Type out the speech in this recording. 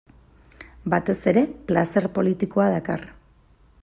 Batez ere, plazer politikoa dakar.